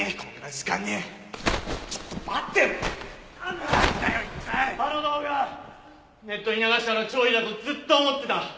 あの動画ネットに流したのは張怡だとずっと思ってた。